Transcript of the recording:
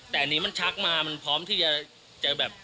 แต่อันนี้มันชักมามันพร้อมที่จะแบบ